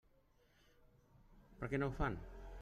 Per què no ho fan?